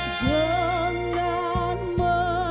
dengan menyebut nama allah